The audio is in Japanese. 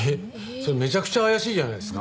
それめちゃくちゃ怪しいじゃないですか。